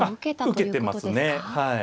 受けてますねはい。